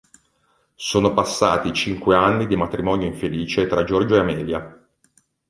Sono passati cinque anni di matrimonio infelice fra Giorgio e Amelia.